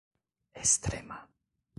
Extrema